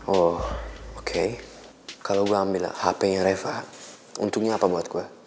oh oke kalau gue ambil hp nya reva untungnya apa buat gue